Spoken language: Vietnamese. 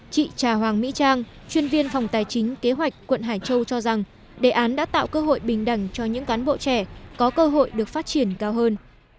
chị trà hoàng mỹ trang chuyên viên phòng tài chính kế hoạch quận hải châu cho rằng đề án đã tạo cơ hội bình đẳng cho những cán bộ trẻ có cơ hội được phát triển cao hơn